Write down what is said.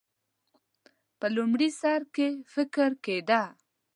په لومړي سر کې فکر کېده.